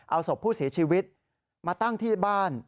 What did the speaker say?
เอาศพผู้เสียชีวิตมาตั้งที่บ้าน